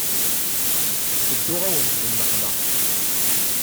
Tedduɣ-awent di nneqma.